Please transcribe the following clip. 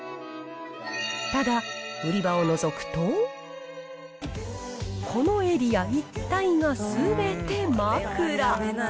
ただ売り場をのぞくとこのエリア一帯が全て枕！